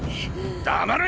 黙れ！